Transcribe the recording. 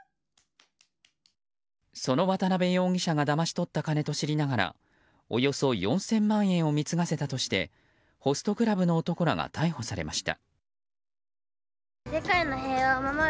その渡辺容疑者がだまし取った金と知りながらおよそ４０００万円を貢がせたとしてホストクラブの男らが逮捕されました。